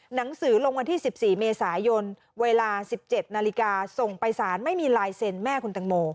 หนังสือลงวันที่๑๔เมษายนเวลา๑๗นาฬิกาส่งไปสารไม่มีลายเซ็นแม่คุณตังโม